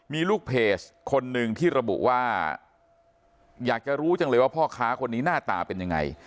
มีลูกเพจคนหนึ่งที่ระบุว่าอยากจะรู้จังเลยว่าพ่อค้าคนนี้หน้าตาเป็นยังไง